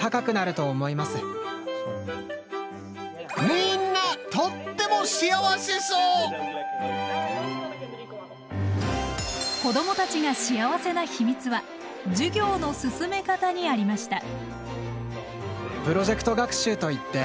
みんな子どもたちが幸せな秘密は授業の進め方にありました。